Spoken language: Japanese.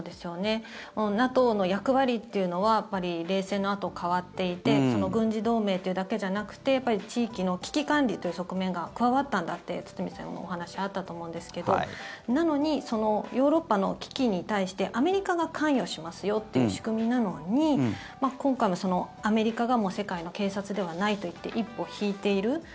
ＮＡＴＯの役割というのは冷戦のあと変わっていて軍事同盟というだけじゃなくて地域の危機管理という側面が加わったんだって堤さんのお話にあったと思うんですけどなのにヨーロッパの危機に対してアメリカが関与しますよという仕組みなのに今回も、アメリカがもう世界の警察ではないといって一歩引いている。